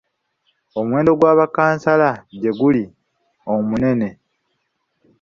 Omuwendo gwa bakkansala gye guli omunene.